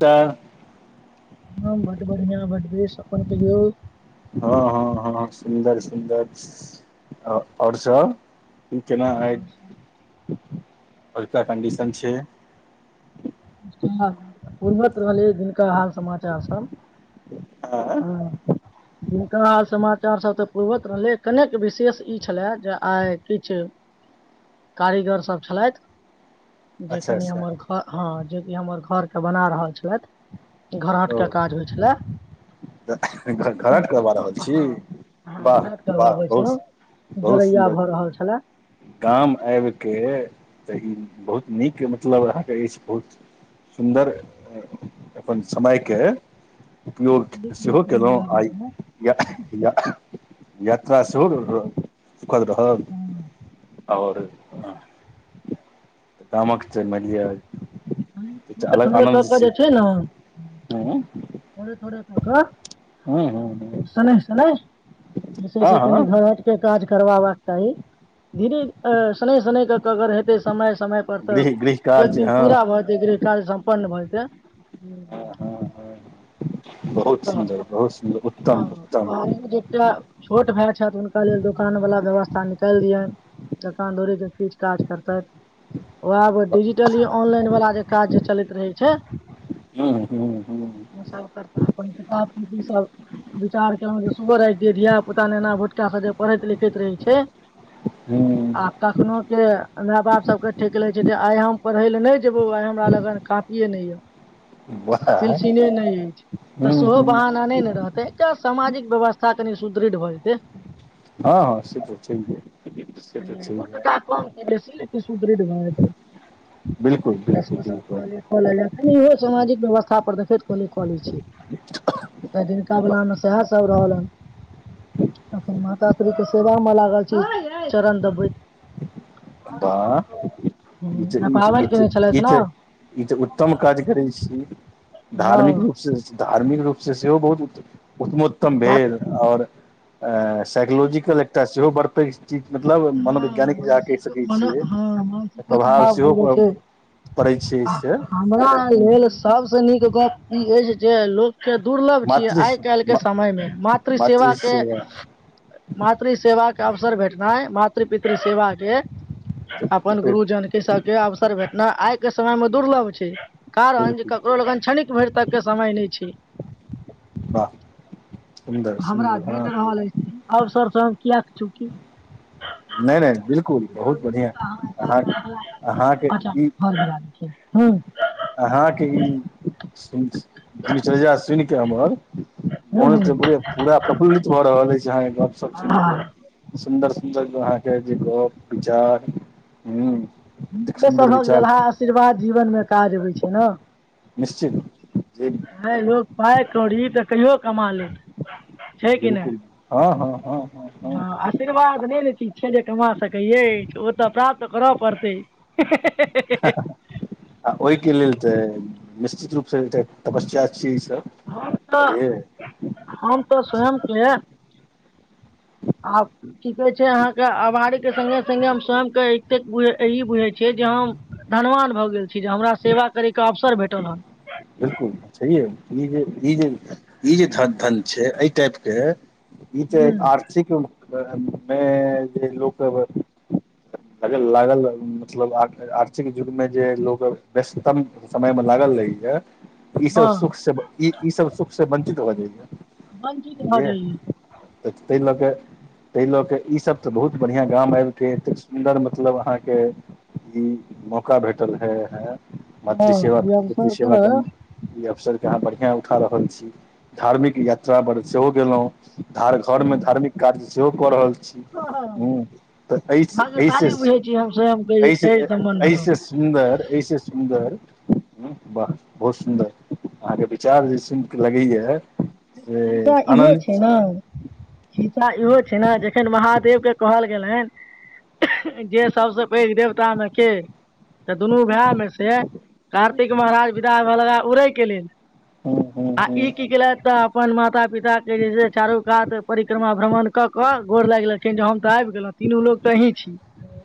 तऽ हँ बढ़ बढ़िआँ बढ़ अपन कहिये हँ हँ हँ सुन्दर सुन्दर आ ओर सब कि केना आइ आजका कंडीशन छै कीपूर्त रहलै जिनका हाल समाचार सब आँ जिनका हाल समाचारसभ तऽ पूर्वत रहलै कनेक विशेष ई छलए जे आइ किछु [inaudible] कारीगर सब छलैयथ जे अच्छा कनि अच्छा हमर घर हँ जेकि हमर घरके बना छेलैथ घर हटके काज होइ छलै [unintelligible] घर हट करबा रहल छी हँ वाह घरहट वाह करबाबै बहुत छलौं सुन्दर बहुत जोरैया सुन्दर भऽ रहल छलए गाम आबि कऽ तऽ ई बहुत नीक मतलब अहाँके अछि बहुत नीक सुन्दर अपन समयके उपयोग बेबे सेहो केलहुँ लागल आइ छियाइ ने [unintelligible] यात्रा सेहो रोऽ रोऽ कर दहर और ह तमक मध एकटा थोड़े अलस थोड़े कऽ आनन्द कऽ छै जे ने हऽ थोड़े थोड़े क क हूँ हूँ सन्य सन्य जै सैय हँ से कनी हँ घर हट के काज करवाबा चाही धीरे शन सन क क अगर हेतै समय समय पर गृह गृह तऽ एक कार्य दिन हँ पूरा भऽ गृह कार्य सम्पन्न भऽ जेतै हँ हँ हँ बहुत [inaudible] सुन्दर बहुत सुन्दर उत्तम छोट उत्तम भाय छथि हुनका लेल दोकान वला व्यवस्था निकैल दिया दोकान दौड़ी के किछ काज कत्ताथ ओहाडिजिटली ऑनलाइन वला जे काज जे चलैत रहै छै हूँ हूँ हूँ ओ सब करता अपन किताब कॉपी सब विचार केलहुं जे सुबह द [unintelligible] धिया पुता नेना भुटका स जे पढ़ैत लिखैत रहै छै हू आ कखनो के माय बाप सब के ठक ले छै जे आइ हम पढ़े ले नहि जेबौ आइ हमरा लगन काँपीए नैय य [inaudible] वाह पिल्सीने नैय अछि तऽ हूँ सेहो हूँ बहान आने ने रहतै क सामाजिक व्यवस्था कनि सुदृढ़ भऽ जेतै हा हा से तऽ छै दू टका कम बेसी इ सुदृढ़ भ जेते बिल्कुल [unintelligible] बिल्कुल बिल्कुल इहे सामाजिक व्यवस्था पर देखैत कहलिए कऽ लै छियै तेय दिनकाबला वाह मे सएह सब रहल हन अखन माता श्री के सेवा में लागल छी चरण दबइत वाह हू ई तऽ आड ई पावैन तऽ कने ई छलैथ ने तऽ ई तऽ उत्तम काज करै छी हँ धार्मिक रूप से धार्मिक रूपसँ सेहो बहुत उत्तमोत्तम भेल आओर साइकोलॉजिकल एकटा सेहो बड़ पैघ जी मतलब हँ मनोवैज्ञानिक जै अहाँ कह सकै छियै छै तऽ प्रभाव बड्ड सेहो दूर छै पड़ै छै से हमरा लैल सबसँ नीक गप ई अछि जे लोक के दुर्लभ छियै मातृ आइ काल्हि के समय मे मातृ सेवा के मातृ सेवा के अवसर भेटनाइ मातृ पितृ सेवाे के अपन गुरुजनक के सबके अवसर भेटना आइ के समय मे दुर्लभ छै कारण जे बिलकुल ककरो लगन छ्षणिक भरि तक के समय नइ छै वाह सुन्दर हमरा सुन्दर भेट हँ रहल अछि ओर सर सर हम किए चुकि नहि नहि बिलकुल बहुत बढ़िआँ अहाँ अहाँके [unintelligible] [unintelligible] अहाँ के ई सुन दिनचर्या सुनि कऽ हमर मन पूरा प्रफुल्लित भऽ रहल अछय अहा के गप सब सुन ह के सुन्दर सुन्दर क अहाँके जे गप विचार हू ऐत सभव जलहा आशीर्वाद जीवन मे काज भय छै न निश्चित जे ह लोग पाइ कौड़ी तऽ कहियो कमा ले बिलकुल हँ हँ हँ हँ आशीर्वाद नय ले छी छै जे कमा सकै अछि ओ तऽ प्राप्त करऽ पड़तै आ ओहिके लेल तऽ निश्चित रूप से एकटा तपस्या छियै ई सभ हम तऽ हम तऽ स्वयं छै आ की कहै छै अहाँ के आभारी के सगे संगे हम साम के एतेक बुझे छियै जे हम धनवान भऽ गेल छी जे हमरा सेवा करैके अवसर भेटल ह छै ई जे ई जे ई जे ध धन छै एहि टाइप के ई जे हूँ आर्थिक मे जे लोक सब लागल मतलब आर्थिक युगमे जे लोक व्यस्ततम समय मे लागल रहै छै ई सब हँ सुख से ई ई सब सुख से वंचित भ वंचित भऽ जाइय जाइयै [unintelligible] तइ लके तइ लऽ कऽ ईसभ तऽ बहुत बढ़िआं गाम आबिके एत सुन्दर मतलब अहाँके ई मौका भेटल है है हँ मातृ सेेवा ई पितृ अवसर सेवा के करन ई अवसर के अहाँ बढ़िआँ उठा रहल छी धार्मिक यात्रा बर सेहो गलोय धार घर मे हँ धार्मिक काज्् सेहो कऽ रहल छी हँ ह तऽ एहि एहिऐसे भाग्यशाली बुझै छी हम स्वयं के एहिस एहि सम्बन्ध मे एहिऐसे सुन्दर ऐसे सुन्दर वाह बहुत सुन्दर अहाँके विचार जे सुनिके लगैया हिनका इहो छै न शीसा इहो छै ने जखन महादेव के कहल गेलेन जे सब से पहले देवता मे के तऽ दुनू भाय मे से कार्तिक महाराज विदा होऽ लगा उड़ै के लेल हँ हू हू ता अपन माता पिता के जे छै चारू कात परिक्रमा भ्रमण क के गोर लाग गेलखिन जे हम ते आबि गेलउ तीनू लोक तऽ अहीं छी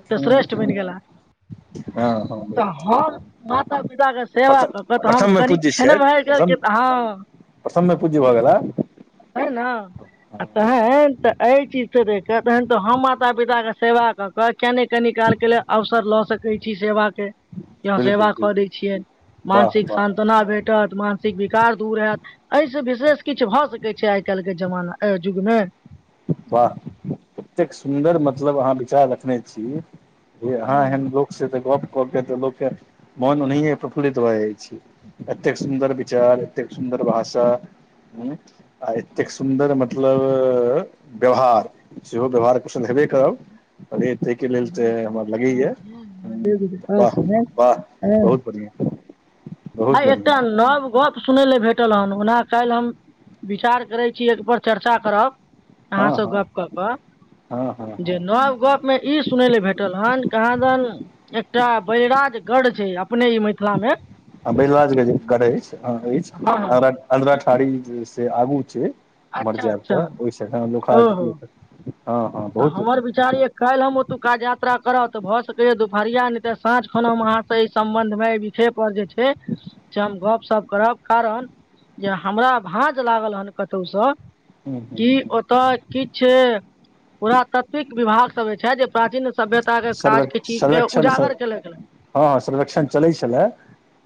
तऽ हूँ श्रेष्ठ बनि हूँ गेला हँ हँ तऽ हम माता पिता के सेवा प्रथम क कह तऽ हम प्रथममे कनि छनबय स तऽ हँ प्रसन पूजी भ गेल [unintelligible] न तहैन तऽ एहि चीज से देख कऽ तहन तऽ हम माता पिता कऽ सेवा कऽ कऽ कि नै कनि काल केँ लेल अवसर लऽ सकै छी सेवा केँ कि हऽ बिलकुल सेवा बिलकुल कऽ दै छियैन वाह मानसिक वाह संताना भेटत मानसिक विकार दूर हैत यै स विशेष किछ भऽ सकै छै आइ काइल केँ जमाना युग में वाह एतेक सुन्दर मतलब अहाँ विचार रखने छी जे अहाँ एहन लोक से तऽ गप कऽ के तऽ लोक केँ मोन ओनाहिये प्रफुल्लित भऽ जाय छै एते कऽ सुन्दर विचार एते कऽ सुन्दर भाषा हुं आ एते कऽ सुन्दर मतलब व्यवहार सेहो व्यवहार कुशल हेबे करब अरे तैयकेँ लेल तऽ हमर लगै यऽ हु वाह वाह बहुत बढ़िआ आइ एकटा नव गप सुनै लऽ भेटल हन ओना काइल हम विचार करै छी एक बेर चर्चा करब अहाँ हँ स हँ गप कऽ कऽ हँ हँ जे हँ नव गप में ई सुनै लऽ भेटल हन कहाँ दन एकटा बैराजगढ़ छै अपने ई मिथिला में बैलाजगज गढ़ एछ आ एछ हँ हँ अंधेरठाारी से आगू छै उम्हर अच्छा जैब अच्छा तऽ [unintelligible] ह लोका ओहो हँ तऽ बहुत हमर बि चार ए काइल हम ओतुका यात्रा करब तऽ भऽ सकैए दुपहरिया नै तऽ साँझ खन हम अहाँ स एहि सम्बन्ध में पीठे पर जे छै से हम गपशप करब कारण जे हमरा भाँज लागल हेन कतौ स हूँ की हूँ ओ तऽ किछ पुरातात्विक विभाग सभ जे छै जे प्राचीन सभ्यता केँ सर्वे काज केँ चीज केँ सर्वेक्षण सँ उजागर केलके हँ संरक्षण चलै छलै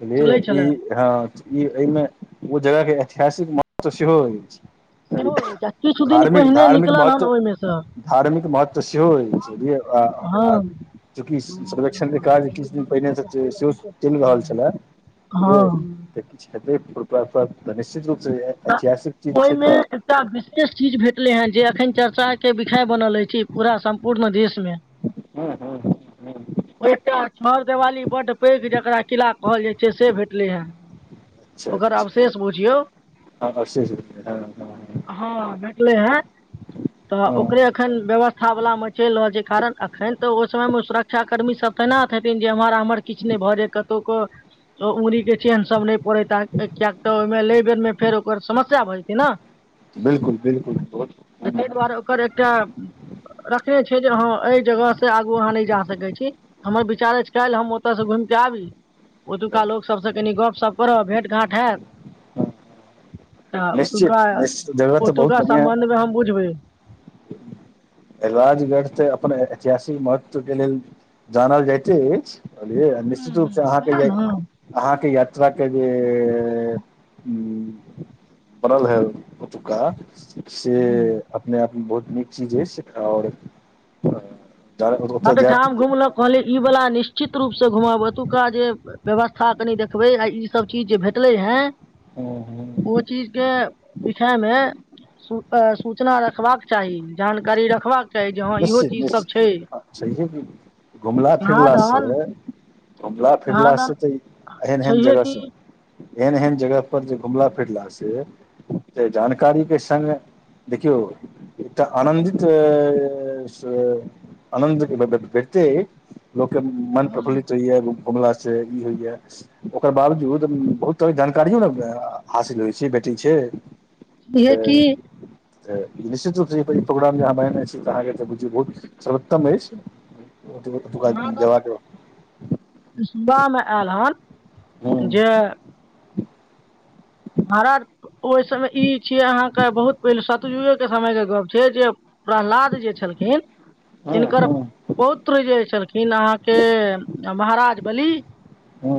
[inaudible] बुझलिए छलै की छलै हँ ई यै में ओ जगह केँ ऐतिहासि कऽ महत्व सेहो ऐछ सेहो ऐछ किछु दिन पहिने धार्मिक निकलल हन महत्व ओइमे स धार्मिक महत्व सेहो ऐछ हँ [unintelligible] चूँकि सर्वेक्षण कऽ काज किछ दिन पहिने स सेहो चैल रहल छलै हँ तऽ किछ [unintelligible] निश्चित रूप से जे है हऽ [inaudible] ओई में एकटा विशेष चीज भेटलै हँ जे एखन चर्चा केँ विषय बनल ऐछ पूरा सम्पूर्ण देश में [unintelligible] ओ एकटा छहरदेवाली बड्ड पैघ जकरा किला कहल जाइ छै से भेटलै है ओकर अवशेष बुझियौ हऽ अशेष [unintelligible] ह भेटलै है तऽ ओकरे हँ एखन व्यवस्था वला में चल रहल छै कारण अखन तऽ ओइ समय में सुर क्षा कर्मी सभ तेनात हेथिन जे एम्हर आम्हर किछ नै भऽ जाय कतौ कऽ ओ उंगुरी केँ चेहन सब नै पड़े ता कऽकियक तऽ ओइ में ले बेर में ओकर समस्या भऽ जेतै न बिल्कुल बिल्कुल [unintelligible] ओ एकटा [inaudible] रखने छै जे हऽ ए जगह से आगू अहाँ नै जा सकै छी हमर विचार ऐछ काइल हम ओत से घुम कऽ आबी ओतुका लोक सब स कनि गपशप करब भेंट घांट हैत तऽ [inaudible] निश्चित ओतुका निश्चित जगह तऽ बहुत ओतुका बढ़िआ सम्बन्धमे हम बूछबै राजगढ़ तेऽ अपन ऐतिहासिक महत्व के लेल जानल जायइते अछि बुझलियै हूँ निश्चित हूँ रूप से अहाँके वएह इआई ने अहाँके यात्राके जेऽ हूँ पड़ल है ओतुका स से अपने आपमे बहुत नीक चीज अछि आओर अ बड ठाम घुमलौ कहलिय ई वाला निश्चित रूपसँ घुमब ओतुका जे। व्यवस्था कनि देखबै आ ईसब चीज जे भेटलै हेँ। हूँ हूँ ओ चीज के विषय मे- सू सूचना रखबाक चाही जानकारी रखबाक- चाही जे हँ इहो निश्चित चीज सब छै निश्चित छैहे कि घुमला कहाँ फिरला दन से- घुमला कहाँ फिरला से दन तऽ ई एहन एहन छैहे जगह कि स एहन एहन जगह पर जे घुमला फिरला से से जानकारी के संग देखियौ एकटा आनन्दितय [unintelligible] लोकके मन हँ प्रफुल्लित होइया घुमला से ई होईया ओकर बावजूद बहुत तरह जानकारियो ने हासिल होइ छै भेटै छै। छैहे तै कि निश्चिरुप स प्रोग्रामके [unintelligible] बुझियौ बहुत सरओत्तम अछि ओतबो कहाँ दन सुबामे आयल ह हन जे- महाराज ओई समय ई छिय अहाँके बहुत पहिल सतुजुगेके समयके गप्प छीयै जे- प्रह्लाद जे छलखिन। हँ तिनकर हँ। पौत्र जे छलखिन अहाँके महाराज बलि। ह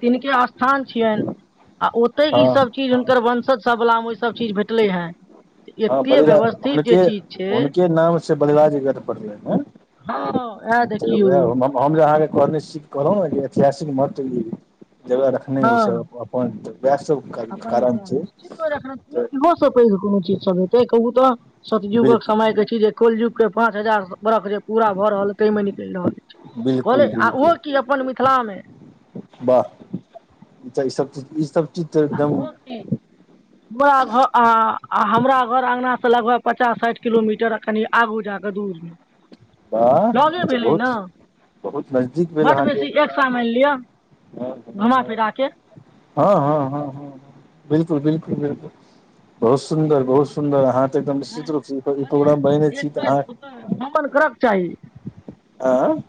तिनके स्थान छियनि आ ओ- तै हँ ईसब चीज हुनकर वंशज सबला मे ओहिसब चीज भेटलै हें। हँ बलिराज हुनके हुनके नाम से बलिराज ग पड़लनि हें हँ अएह देखियौ। हम जे अहाँके कहने सीख कहलौं ने जे ऐतिहासिक महत्व ई जगह रखने अई ई सब हँ अपन को त व। [unintelligible] अपन मिथिला निश्चित [unintelligible] इहो सब पैघ कोनो चीज सब हेतै कहू तऽ सतयुगक बिलकुल समय के छै जे। कल युग के पाँच हजार बरख जे पूरा भऽ रहल तै मे निकलि रहल अछि। कहलै बिलकुल आ ओहो बिलकुल की अपन मिथिला मे। वाह ई त सब त ई सब- आ ओहो कि। ह। [unintelligible] हमरा घर आ हमरा घर अङ्गना स लगभग पचास साठि किलोमीटर कनि आगू जाकऽ दूरमे। बाह लगे ई त भेलै ने बहुत बहुत नजदीक भेल अहाँके। सा मानि लिअ घुमा फिरा के। हँ हँ हँ हँ हँ बिल्कुल बिल्कुल बिल्कुल बहुत सुन्दर बहुत सु सुन्दर अहाँतऽ एकम आँय निश्चित रूप स प्रोग्राम अछी तऽ अहाँ। भ्रमन करक चाही। आँय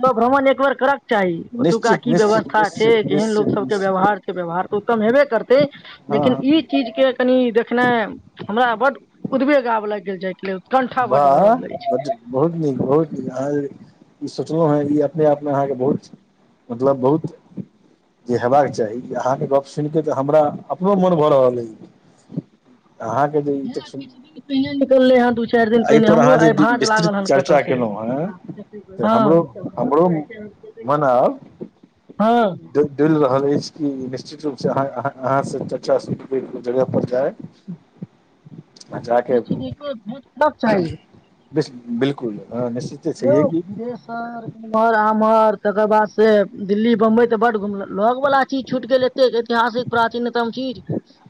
उमरो भ्रमण एक बेर कर के चाही ओतुका निश्चित की निश्चित व्यवस्था छै निश्चित केहन निश्चित लोक सब के निश्चित व्यवहार- व्यवहार तऽ उत्तम हेबे करतै हँ लेकिन हँ ई- चीज के कनि देखनाइ हमरा बड उदबेगाब लाग गेल जाय के लेल- कण्ठा बड वाह भरल ऐछ बड बहुत नीक बहुत नीक अहाँ ई सोचलो हेँ ई अपने आपमे अहाँके बहुत मतलब बहुत जे हेबाक चाही अहाँके गप सुनिके तऽ हमरा अपनो मन भऽ रहल ऐइ अहाँ यहै किछ दिन पेहने निकलले हैं दू चार चार दिन पहिने एहिपर हमरो अहाँ जे आइ भाँज विस्तृत लागल हन कत चर्चा से केलहुँ हेँ हँ मनाब हँ चइल रहल ऐछ कि नि्चित [unintelligible] रूप से अहा अहा अहाँसे [unintelligible] जगह पर जाय निश्चित देखो बहुत बिलकुल निश्चित यौ विदेशसर उम्हर आम्हर तकर बाद से दिल्ली बम्बई तऽ बड घुमल लग वला चीज छुट गेले ऐतिहासिक प्राचीनतम चीज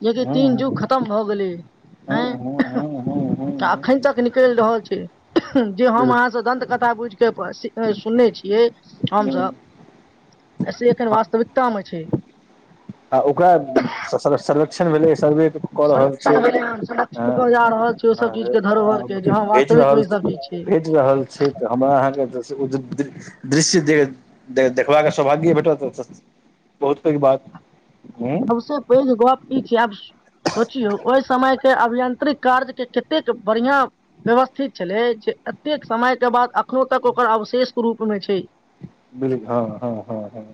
यदि हँ तीन जुग हँ खतम भऽ गेली अऐ अखन तक निकेल रहल छै जे हम अहाँ सब दत कथा बुझके सुनने छियै हमस बिल्कुल एसे एखन वास्तविकता मे छै आ ओकरा सर्वेकक्षण भेलै सर्वे कऽ रहल संरक्षण छै भेलै हँ [unintelligible] जा रहल छी ओ सब हँ चीज के धरोहर के जे हँ भेज वास्तविक रहल मे ई सब चीज छै भेज रहल छै तऽ हमरा अहाँके [unintelligible] दृश्य देखबाक सौभाग्य भेटत बहुत पैघ बात हूँ सबसे पैघ गप ई छै आब सोचियौ ओय समयके अभियंत्रिक कार्यके कतेक बढ़िआँ व्यवस्थित छलै जे एतेक समयके बाद एखनो तक ओकर अवशेष रूपमे छैए हँ हँ हँ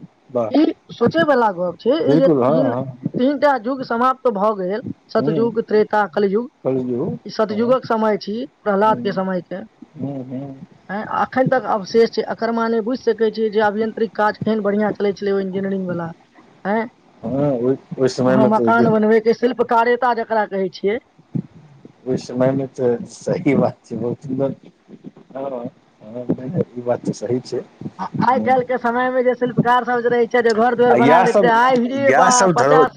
ई सोचे वाला गप छै ई जे बाहबिलकुल हँ हँ तीन टा युग समाप्त भऽ गेल हँ सतयुग त्रेता कलयुग कलियौ ई हँ सतयुगक समय छी प्रह्लाद के समय के हू आँ अखन तक अवशेष छै एकर माने बुझ सैत छियै जे अभियंत्रिक काज केहन बढ़िआँ चलै छलै ओ इंजीनियरिंग वला आँए हँ ओय वहाँ मकान बनवे के शिल्पकार्यता जकरा कहे छियै ओय समय मे तऽ सही बात छै बहुत सुन्दर हँ हँ ई बात तऽ सी छै आइ कैल के समय मे जे शिल्पकार सब जे रहै छै जे घर दुआर आ बनाके इएह रेखते सब आहिरे इएह सब बाप धरो पचास